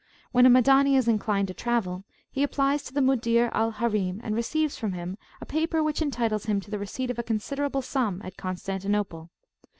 When a Madani is inclined to travel, he applies to the Mudir al Harim, and receives from him a paper which entitles him to the receipt of a considerable sum at Constantinople.